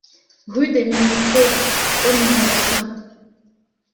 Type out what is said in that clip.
Rue Déménitroux au numéro cinq